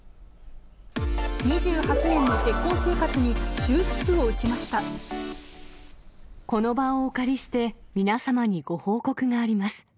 ２８年の結婚生活に終止符をこの場をお借りして、皆様にご報告があります。